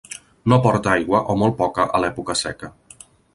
No porta aigua o molt poca a l'època seca.